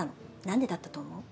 なんでだったと思う？